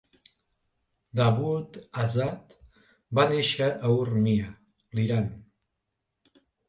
Davood Azad va néixer a Urmia, l'Iran.